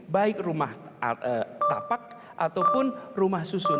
baik rumah tapak ataupun rumah susun